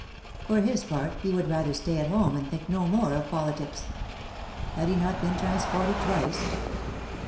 For his part he would rather stay at home, and think no more of politics. Had he not been transported twice?